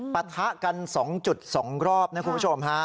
ปะทะกัน๒จุด๒รอบนะครับคุณผู้ชม